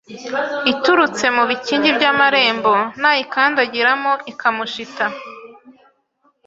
iturutse mu bikingi by' amarembo Nayikandagiramo ikamushita